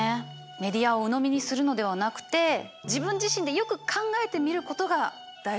メディアをうのみにするのではなくて自分自身でよく考えてみることが大事になってきますよね。